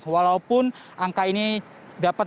walaupun angka ini dapat